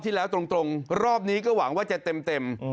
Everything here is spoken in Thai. แล้วตรงรอบนี้ก็หวังว่าจะเต็ม